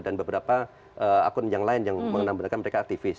dan beberapa akun yang lain yang mengenang menangkan mereka aktivis